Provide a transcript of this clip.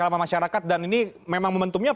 dalam masyarakat dan ini memang momentumnya